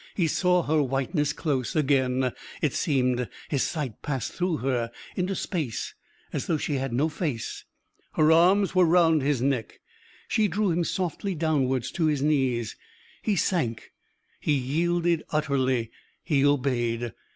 He saw her whiteness close; again, it seemed, his sight passed through her into space as though she had no face. Her arms were round his neck. She drew him softly downwards to his knees. He sank; he yielded utterly; he obeyed.